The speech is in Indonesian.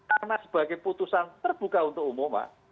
karena sebagai putusan terbuka untuk umum pak